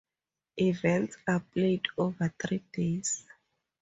Events are played over three days.